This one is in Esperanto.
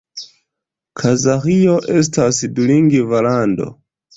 Kazaĥio estas dulingva lando.